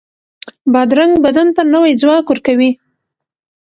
بادرنګ بدن ته نوی ځواک ورکوي.